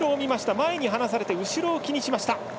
前から離されて後ろを気にしました。